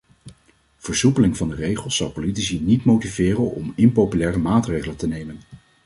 Versoepeling van de regels zal politici niet motiveren om impopulaire maatregelen te nemen.